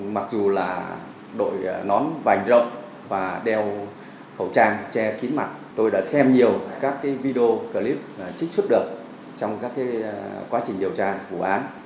mặc dù là đội nón vành rộng và đeo khẩu trang che kín mặt tôi đã xem nhiều các video clip trích xuất được trong các quá trình điều tra vụ án